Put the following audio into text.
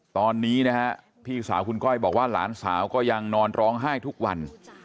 ตอนนี้นะฮะพี่สาวคุณก้อยบอกว่าหลานสาวก็ยังนอนร้องไห้ทุกวัน